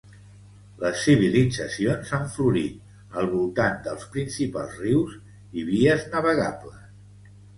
Les civilitzacions han florit al voltant dels principals rius i vies navegables.